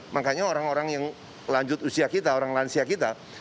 makanya orang orang yang lanjut usia kita orang lansia kita